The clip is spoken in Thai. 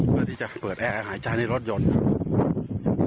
เพื่อที่จะเปิดแอร์หายใจในรถยนต์